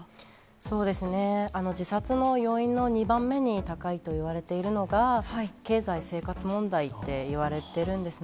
そうですね、自殺の要因の２番目に高いといわれているのが、経済生活問題っていわれてるんですね。